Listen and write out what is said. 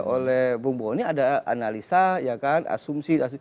oleh bung boni ada analisa asumsi